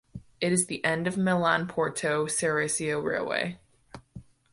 It is the end of the Milan–Porto Ceresio railway.